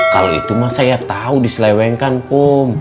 kalau itu mas saya tahu diselewengkan kum